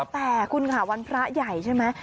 แต่คุณค่ะวันพระใหญ่ใช่ไหม